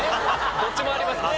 どっちもありますから。